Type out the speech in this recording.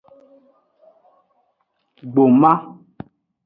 Gboma.